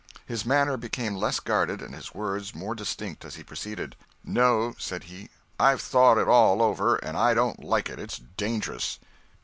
His manner became less guarded and his words more distinct as he proceeded: "No," said he, "I've thought it all over, and I don't like it. It's dangerous."